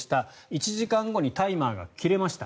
１時間後にタイマーが切れました。